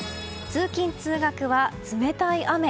通勤・通学は冷たい雨。